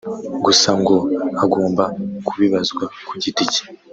gusa ngo agomba kubibazwa ku giti cye